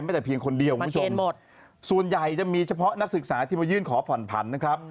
แต่เพียงคนเดียวคุณผู้ชมส่วนใหญ่จะมีเฉพาะนักศึกษาที่มายื่นขอผ่อนผันนะครับ